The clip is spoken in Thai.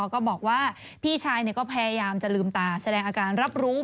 ก็บอกว่าพี่ชายก็พยายามจะลืมตาแสดงอาการรับรู้